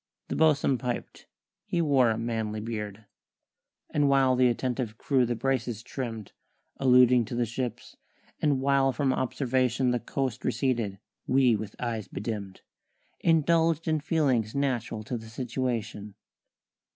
The bo'sun piped (he wore a manly beard); And while th' attentive crew the braces trimm'd (Alluding to the ship's), and while from observation The coast receded, we with eyes be dimm'd Indulged in feelings natural to the situation.